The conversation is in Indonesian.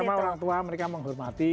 semua orang tua mereka menghormati